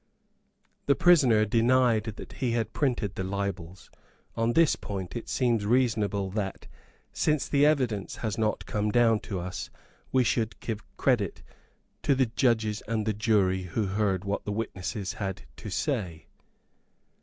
The prisoner denied that he had printed the libels. On this point it seems reasonable that, since the evidence has not come down to us, we should give credit to the judges and the jury who heard what the witnesses had to say.